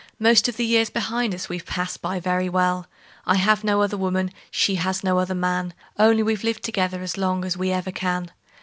Most of the years behind us we've passed by very well; I have no other woman, she has no other man Only we've lived together as long as we ever can.